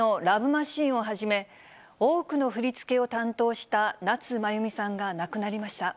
マシーンをはじめ、多くの振り付けを担当した夏まゆみさんが亡くなりました。